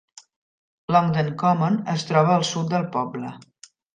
Longden Common es troba al sud del poble.